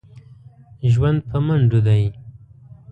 ژوند په منډو دی.